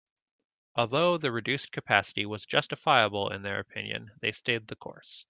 Although the reduced capacity was justifiable in their opinion, they stayed the course.